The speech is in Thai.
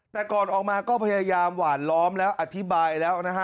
แต่ก่อนออกมาก็พยายามหวานล้อมแล้วอธิบายแล้วนะฮะ